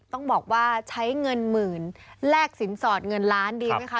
ต้องบอกว่าใช้เงินหมื่นแลกสินสอดเงินล้านดีไหมคะ